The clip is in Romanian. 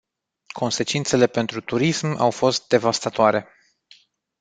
Consecințele pentru turism au fost devastatoare.